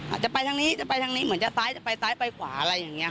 อาจจะไปทางนี้จะไปทางนี้เหมือนจะซ้ายจะไปซ้ายไปขวาอะไรอย่างนี้